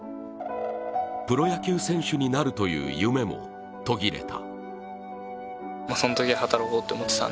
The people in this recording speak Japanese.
プロ野球選手になるという夢も途切れた。